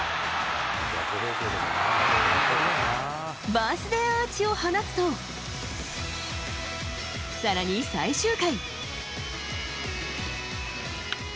バースデーアーチを放つと、さらに最終回。